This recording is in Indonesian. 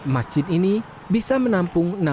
masjid ini bisa menampung